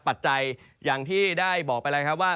ปัจจัยอย่างที่ได้บอกไปแล้วครับว่า